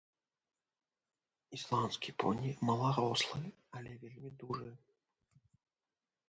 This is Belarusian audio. Ісландскі поні маларослы, але вельмі дужы.